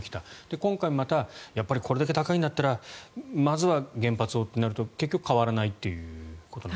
今回もまたこれだけ高いんだったらまずは原発をとなると結局変わらないと。